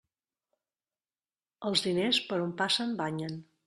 Els diners, per on passen, banyen.